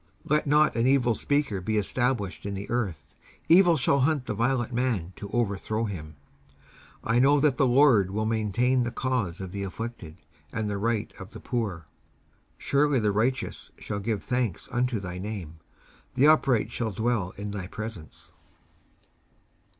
19:140:011 Let not an evil speaker be established in the earth: evil shall hunt the violent man to overthrow him. 19:140:012 I know that the LORD will maintain the cause of the afflicted, and the right of the poor. 19:140:013 Surely the righteous shall give thanks unto thy name: the upright shall dwell in thy presence.